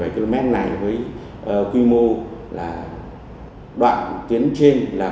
một mươi bảy km này với quy mô là đoạn tuyến trên là